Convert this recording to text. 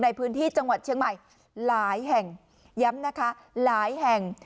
ในพื้นที่จังหวัดเชียงใหม่หลายแห่งย้ำนะคะหลายแห่ง